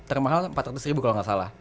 termahal rp empat ratus kalau nggak salah